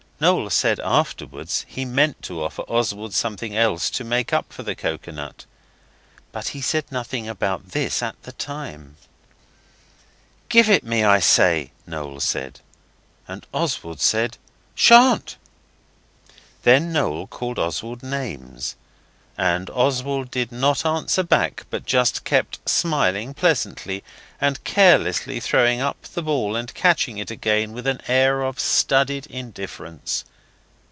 Noel said afterwards he meant to offer Oswald something else to make up for the coconut, but he said nothing about this at the time. 'Give it me, I say,' Noel said. And Oswald said, 'Shan't!' Then Noel called Oswald names, and Oswald did not answer back but just kept smiling pleasantly, and carelessly throwing up the ball and catching it again with an air of studied indifference.